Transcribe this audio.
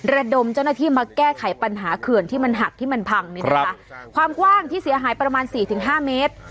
ระดมเจ้าหน้าที่มาแก้ไขปัญหาเขื่อนที่มันหักที่มันพังนี่นะคะความกว้างที่เสียหายประมาณสี่ถึงห้าเมตร